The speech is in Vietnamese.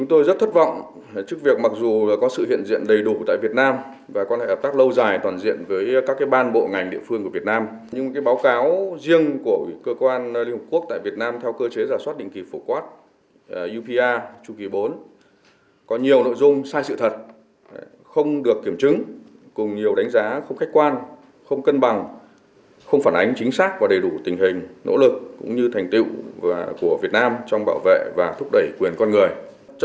liên quan tới phản ứng của việt nam trước nội dung báo cáo theo cơ chế giả soát định kỳ phổ quát upr chu kỳ bốn của hội đồng nhân quyền liên hợp quốc